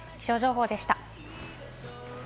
気象情報でした。